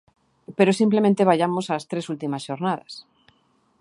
Pero simplemente vaiamos ás tres últimas xornadas.